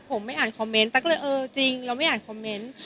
ผมไม่อ่านคอมเมนต์ตั๊กก็เลยเออจริงเราไม่อ่านคอมเมนต์